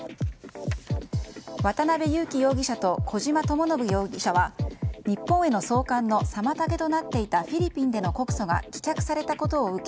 渡辺優樹容疑者と小島智信容疑者は日本への送還の妨げとなっていたフィリピンでの告訴が棄却されたことを受け